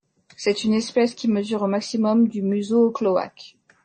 C'est une espèce qui mesure au maximum du museau au cloaque.